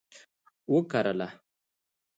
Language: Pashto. وکرله